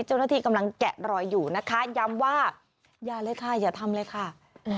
เจ้าหน้าที่กำลังแกะรอยอยู่นะคะย้ำว่าอย่าเลยค่ะอย่าทำเลยค่ะ